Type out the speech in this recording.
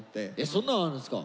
そんなんあるんですか。